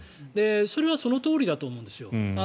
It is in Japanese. それはそのとおりだと思うんですよ。